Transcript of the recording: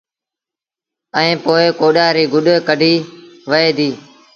ائيٚݩ پو ڪوڏآر ريٚ گُڏ ڪڍيٚ وهي دي